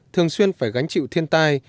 thường xuyên phải gánh chịu thiên tai